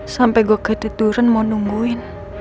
sampai gue ketiduran mau nungguin